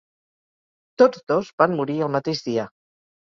Tots dos van morir el mateix dia.